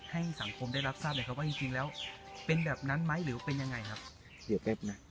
ให้สังคมได้รับทราบเลยครับว่าจริงจริงแล้วเป็นแบบนั้นไหมหรือเป็นยังไงครับเสียเป๊บนะ